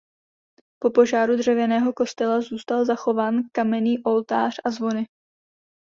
Po požáru dřevěného kostela zůstal zachován kamenný oltář a zvony.